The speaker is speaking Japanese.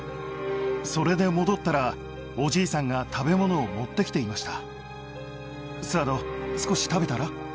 それで戻ったらおじいさんが食べ物を持って来ていました。